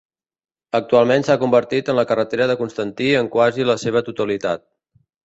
Actualment s'ha convertit en la carretera de Constantí en quasi la seva totalitat.